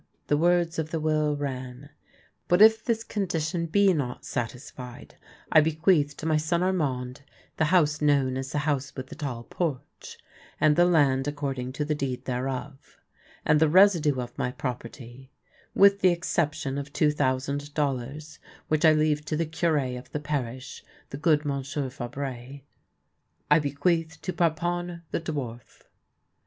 The words of the will ran: " But if tliis con dition be not satisfied, I bequeath to my son Armand the house known as the House with the Tall Porch, and the land, according to the deed thereof; and the residue of my property — with the exception of two thousand dollars, which I leave to the Cure of the parish, the good Monsieur Fabre — I bequeath to Par pon the dwarf."